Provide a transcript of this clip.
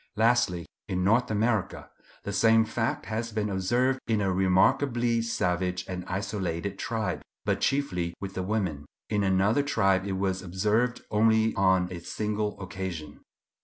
Lastly, in North America, the same fact has been observed in a remarkably savage and isolated tribe, but chiefly with the women; in another tribe it was observed only on a single occasion.